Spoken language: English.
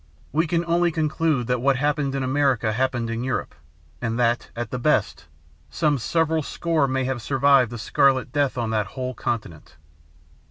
We can only conclude that what happened in America happened in Europe, and that, at the best, some several score may have survived the Scarlet Death on that whole continent.